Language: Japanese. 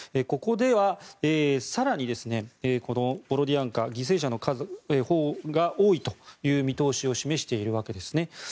ここでは更にボロディアンカのほうが犠牲者の数が多いという見通しを示しているわけですね。